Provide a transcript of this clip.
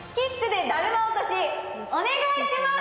お願いします！